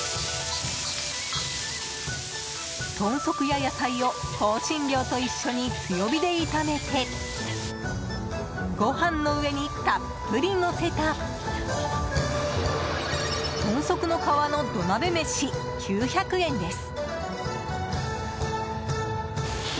豚足や野菜を香辛料と一緒に強火で炒めてご飯の上にたっぷりのせた豚足の皮の土鍋めし９００円です。